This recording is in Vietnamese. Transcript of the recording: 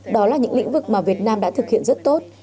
đó là những lĩnh vực mà việt nam đã thực hiện rất tốt